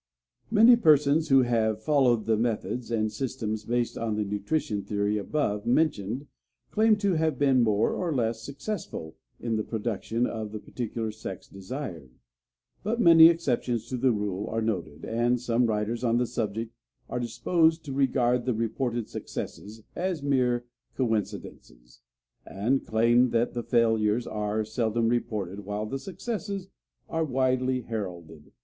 Many persons who have followed the methods and systems based on the nutrition theory above mentioned claim to have been more or less successful in the production of the particular sex desired, but many exceptions to the rule are noted, and some writers on the subject are disposed to regard the reported successes as mere coincidences, and claim that the failures are seldom reported while the successes are widely heralded.